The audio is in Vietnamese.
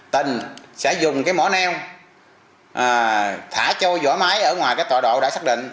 tình sẽ dùng cái mỏ neo thả trôi giỏ máy ở ngoài cái tọa độ đã xác định